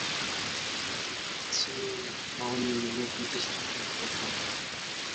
ছিলেন আওয়ামী লীগের প্রতিষ্ঠাতা কোষাধ্যক্ষ।